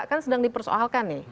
kan sedang dipersoalkan nih